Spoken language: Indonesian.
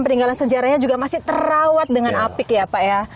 peninggalan sejarahnya juga masih terawat dengan apik ya pak ya